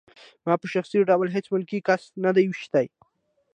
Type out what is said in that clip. ما په شخصي ډول هېڅ ملکي کس نه دی ویشتی